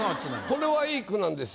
これはいい句なんです。